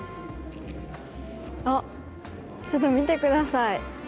あっちょっと見て下さい。